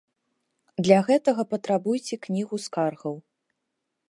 Для гэтага патрабуйце кнігу скаргаў.